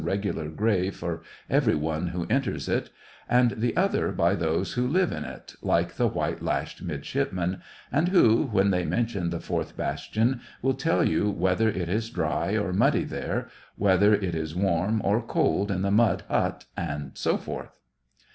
regular grave for every one who enters it, and the other by those who live in it, like the white lashed midshipman, and who, when they mention the fourth bastion, will tell you whether it is dry or muddy there, whether it is warm or cold in the mud hut, and so forth.